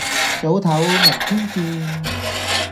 早唞，明天見